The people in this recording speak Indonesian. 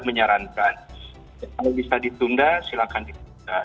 mengarankan jemaah bisa ditunda silahkan ditunda